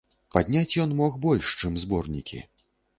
Падняць ён мог больш, чым зборнікі.